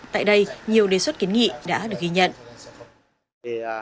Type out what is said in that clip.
tại đây nhiều đề xuất kiến nghị đã được ghi nhận